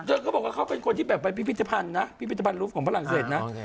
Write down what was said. เขาบอกว่าเขาเป็นคนที่แบบไปพิพิธภัณฑ์นะพิพิธภัณฑ์รูปของฝรั่งเศสนะ